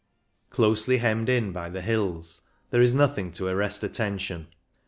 Closely hemmed in by the hills, there is nothing to arrest atten tion.